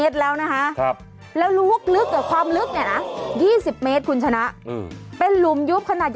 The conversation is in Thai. ได้๕๐๐บาทรถบวคศได้๕๐๐บาท